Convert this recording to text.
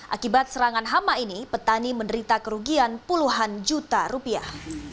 akibat serangan hama ini petani menderita kerugian puluhan juta rupiah